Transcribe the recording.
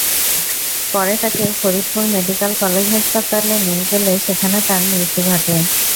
পরে তাঁকে Faridpur medical college হাসপাতালে নিয়ে গেলে সেখানে তাঁর মৃত্যু ঘটে।